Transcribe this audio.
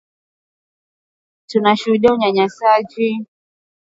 Tunashuhudia unyanyasaji kutoka pande zote katika mzozo